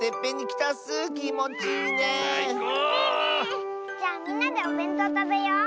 きもちいいね。じゃあみんなでおべんとうたべよう。